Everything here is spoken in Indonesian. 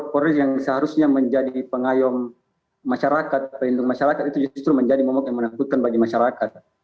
polri yang seharusnya menjadi pengayung masyarakat perlindung masyarakat itu justru menjadi momok yang menakutkan bagi kita